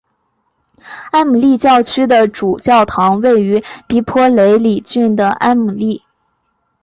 埃姆利教区的主教堂位于蒂珀雷里郡的埃姆利。